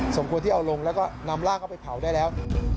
สมควรที่เอาลงแล้วก็นำร่างเข้าไปเผาได้แล้ว